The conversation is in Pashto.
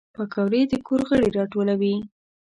پکورې د کور غړي راټولوي